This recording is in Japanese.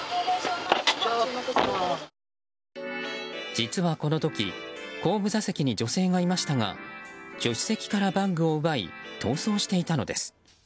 実はこの時後部座席に女性がいましたが助手席からバッグを奪い逃走していたのです。